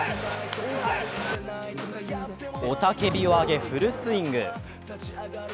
雄たけびを上げ、フルスイング。